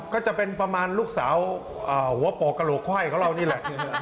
ก็จะเป็นประมาณลูกสาวหัวโปกกระโหลกไขว้ของเรานี่แหละ